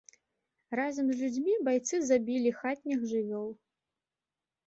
Разам з людзьмі байцы забілі хатніх жывёл.